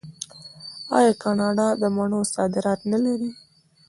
آیا کاناډا د مڼو صادرات نلري؟